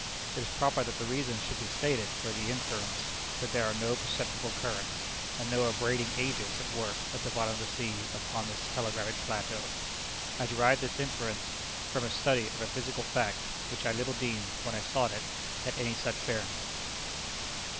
It is proper that the reasons should be stated for the inference that there are no perceptible currents, and no abrading agents at work at the bottom of the sea upon this telegraphic plateau. I derive this inference from a study of a physical fact, which I little deemed, when I sought it, had any such bearings.